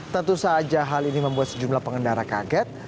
tentu saja hal ini membuat sejumlah pengendara kaget